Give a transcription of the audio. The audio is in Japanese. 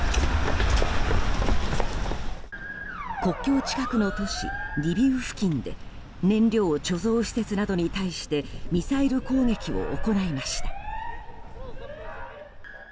国境近くの都市リビウ付近で燃料貯蔵施設などに対してミサイル攻撃を行いました。